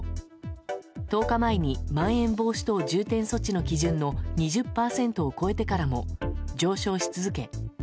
１０日前にまん延防止等重点措置の基準の２０％を超えてからも上昇し続け